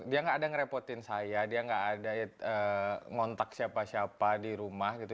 dia nggak ada ngerepotin saya dia nggak ada ngontak siapa siapa di rumah gitu